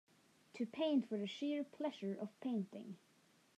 To paint for the sheer pleasure of painting.